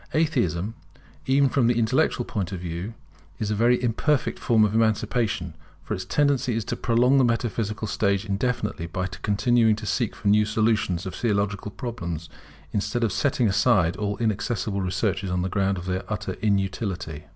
Atheism, even from the intellectual point of view, is a very imperfect form of emancipation; for its tendency is to prolong the metaphysical stage indefinitely, by continuing to seek for new solutions of Theological problems, instead of setting aside all inaccessible researches on the ground of their utter inutility.